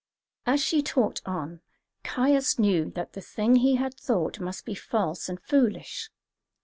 As she talked on, Caius knew that the thing he had thought must be false and foolish.